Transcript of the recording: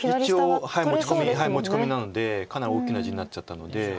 一応持ち込みなのでかなり大きな地になっちゃったので。